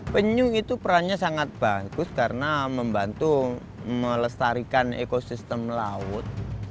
penyu itu perannya sangat bagus karena membantu melestarikan ekosistem laut